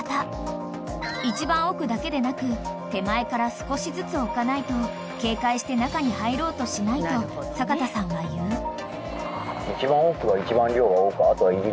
［一番奥だけでなく手前から少しずつ置かないと警戒して中に入ろうとしないと阪田さんは言う］